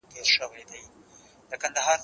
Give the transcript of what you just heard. زه مخکي بازار ته تللی و!؟